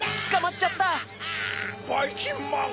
ばいきんまん！